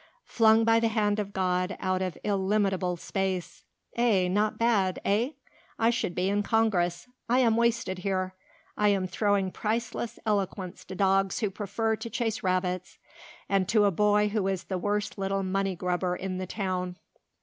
"Flung by the hand of God out of illimitable space eh! not bad, eh! I should be in Congress. I am wasted here. I am throwing priceless eloquence to dogs who prefer to chase rabbits and to a boy who is the worst little money grubber in the town."